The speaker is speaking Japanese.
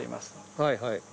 はいはい。